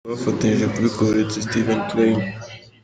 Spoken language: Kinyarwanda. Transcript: Ntawe twafatanyije kubikora uretse Steven Klein.